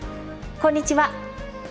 こんにちは。